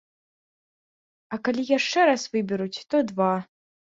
А калі яшчэ раз выберуць, то два.